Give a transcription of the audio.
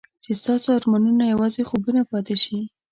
چې ستاسو ارمانونه یوازې خوبونه پاتې شي.